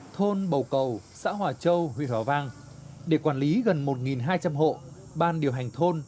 thôn bầu cầu xã hòa châu huyện hòa vang để quản lý gần một hai trăm linh hộ ban điều hành thôn